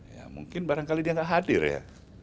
ya mungkin barangkali dia nggak hadir ya